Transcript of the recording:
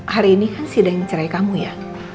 hari ini kan si dayang cerai kamu ya